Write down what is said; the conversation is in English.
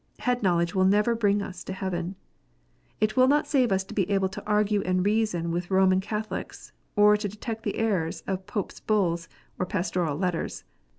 Head knowledge will never bring us to heaven. It will not save us to be able to argue and reason with Roman Catholics, or to detect the errors of Popes Bulls, or Pastoral Letters.